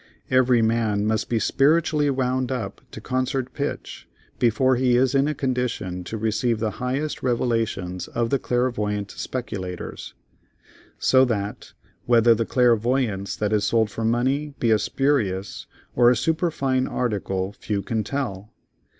Every man must be spiritually wound up to concert pitch before he is in a condition to receive the highest revelations of the clairvoyant speculators. So that, whether the clairvoyance that is sold for money be a spurious or a superfine article few can tell.